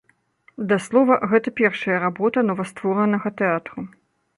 Да слова, гэта першая работа новастворанага тэатру.